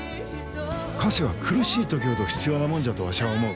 菓子は苦しい時ほど必要なもんじゃとわしゃあ思う。